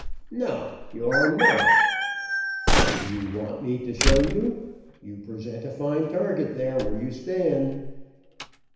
"No, you are not." "Do you want me to show you? You present a fine target there where you stand."